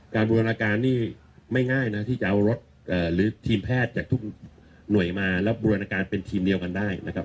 บูรณาการนี่ไม่ง่ายนะที่จะเอารถหรือทีมแพทย์จากทุกหน่วยมารับบูรณาการเป็นทีมเดียวกันได้นะครับ